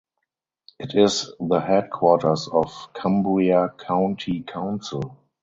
It is the headquarters of Cumbria County Council.